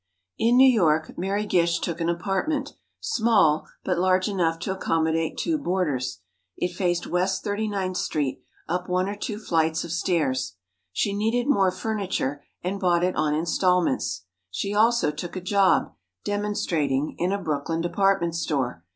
In New York, Mary Gish took an apartment—small, but large enough to accommodate two boarders. It faced West 39th Street, up one or two flights of stairs. She needed more furniture and bought it on installments. She also took a job—demonstrating, in a Brooklyn department store.